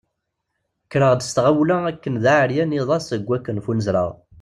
Kkreɣ-d s tɣawla akken d aεeryan iḍ-a seg akken ffunzreɣ.